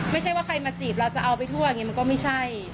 ไม่ใช่ว่าใครมาจีบเราจะเอาไปทั่วอย่างนี้มันก็ไม่ใช่